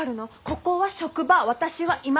ここは職場私は今。